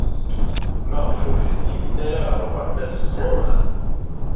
Maɣef ur teddimt ara ɣer uɣerbaz ass-a?